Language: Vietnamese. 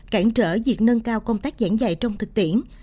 cản trở việc nâng cao công tác giảng dạy trong thực tiễn